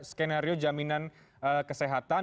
skenario jaminan kesehatan